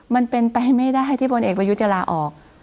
มันเป็นไปไม่ได้ที่พลเอกประยุทธ์จะลาออก